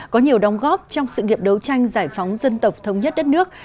có nhiều đóng góp trong sự nghiệp đấu tranh giải phóng dân tộc thống nhất đất nước